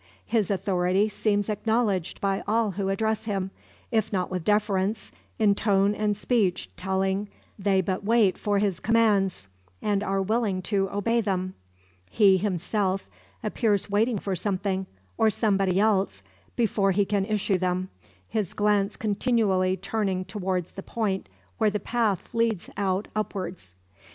His authority seems acknowledged by all who address him, if not with deference, in tone and speech telling they but wait for his commands, and are willing to obey them. He, himself, appears waiting for something, or somebody else, before he can issue them, his glance continually turning towards the point where the path leads out upwards.